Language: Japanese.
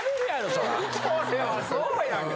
それはそうやんか！